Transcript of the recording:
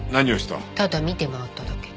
ただ見て回っただけ。